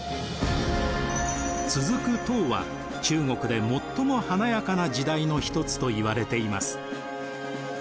続く唐は中国で最も華やかな時代の一つといわれています。